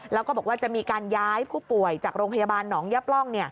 แล้วก็บอกว่าจะมีการย้ายผู้ป่วยจากโรงพยาบาลหนองยับร่อง